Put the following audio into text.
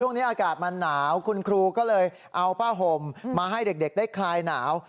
ช่วงนี้อากาศมันหนาวคุณครูก็เลยเอาผ้าห่มมาให้เด็กได้คลายหนาว